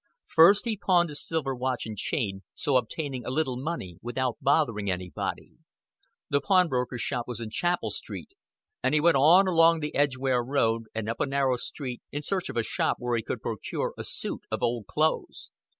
First he pawned his silver watch and chain, so obtaining a little money without bothering anybody. The pawnbroker's shop was in Chapel Street, and he went on along the Edgware Road and up a narrow street in search of a shop where he could procure a suit of old clothes.